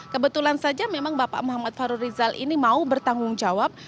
kebetulan saja memang bapak muhammad farurizal ini mau bertanggung jawab